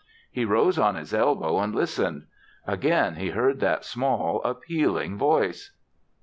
He rose on his elbow and listened. Again he heard that small, appealing voice.